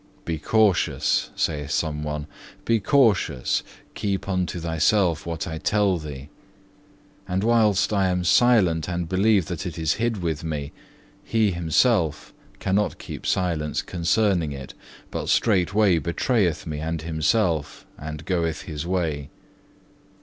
"Be cautious," saith some one: "be cautious, keep unto thyself what I tell thee." And whilst I am silent and believe that it is hid with me, he himself cannot keep silence concerning it, but straightway betrayeth me and himself, and goeth his way.